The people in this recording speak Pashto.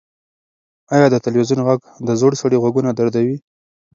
ایا د تلویزیون غږ د زوړ سړي غوږونه دردوي؟